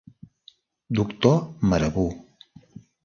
Doctor Marabú.